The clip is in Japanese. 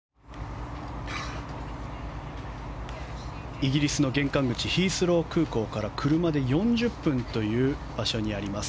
イギリスの玄関口ヒースロー空港から車で４０分という場所にあります